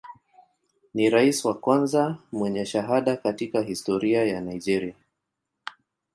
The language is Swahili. Ni rais wa kwanza mwenye shahada katika historia ya Nigeria.